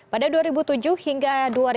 pada dua ribu tujuh hingga dua ribu dua